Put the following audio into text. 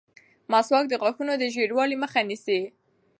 مسواک د غاښونو د ژېړوالي مخه نیسي.